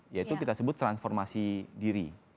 ya itu kita sebut transformasi diri